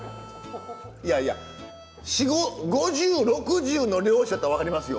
いやいや５０６０の漁師やったら分かりますよ。